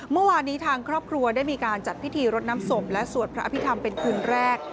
เมื่อวานนี้ทางครอบครัวได้มีการจัดพิธีรดน้ำศพและสวดพระอภิษฐรรมเป็นคืนแรก